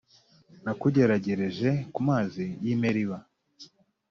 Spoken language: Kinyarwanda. Nakugeragereje ku mazi y ‘i Meriba .